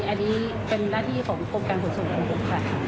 อันนี้เป็นหน้าธีของกรการขนส่งของผม